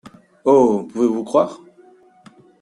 Oh ! pouvez-vous croire…